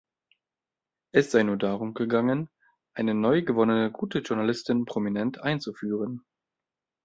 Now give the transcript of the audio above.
Es sei nur darum gegangen, „eine neu gewonnene gute Journalistin prominent einzuführen.